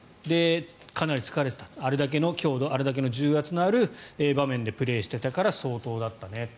かなり疲れていたあれだけの強度あれだけの重圧のある場面でプレーしてたから相当だったねと。